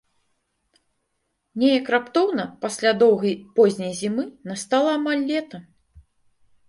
Неяк раптоўна пасля доўгай позняй зімы настала амаль лета.